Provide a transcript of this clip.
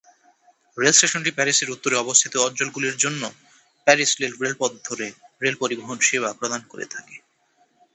রেলস্টেশনটি প্যারিসের উত্তরে অবস্থিত অঞ্চলগুলির জন্য প্যারিস-লিল রেলপথ ধরে রেল পরিবহন সেবা প্রদান করে থাকে।